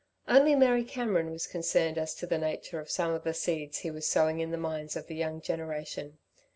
Only Mary Cameron was concerned as to the nature of some of the seeds he was sowing in the minds of the young generation.